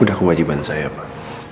sudah kewajiban saya pak